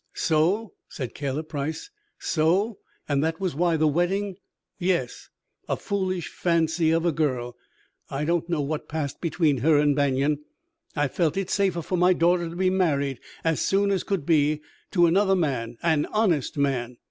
"So!" said Caleb Price. "So! And that was why the wedding " "Yes! A foolish fancy of a girl. I don't know what passed between her and Banion. I felt it safer for my daughter to be married, as soon as could be, to another man, an honest man.